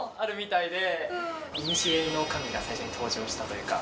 いにしえの神が最初に登場したというか。